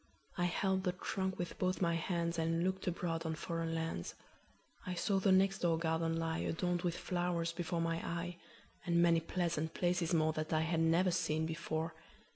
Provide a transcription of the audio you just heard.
I held the trunk with both my handsAnd looked abroad on foreign lands.I saw the next door garden lie, Adorned with flowers, before my eye, And many pleasant places moreThat I had never seen before.